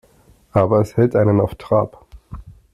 Aber es hält einen auf Trab.